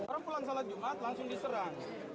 rampulan salat jumat langsung diserang